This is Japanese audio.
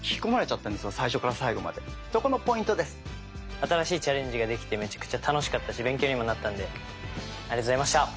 新しいチャレンジができてめちゃくちゃ楽しかったし勉強にもなったんでありがとうございました。